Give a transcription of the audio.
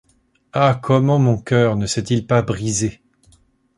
Ah ! comment mon cœur ne s’est-il pas brisé